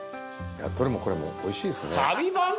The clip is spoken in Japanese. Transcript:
どれもこれもおいしいですね。